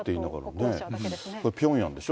ピョンヤンでしょ。